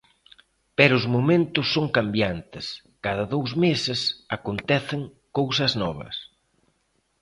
Pero os momentos son cambiantes, cada dous meses acontecen cousas novas.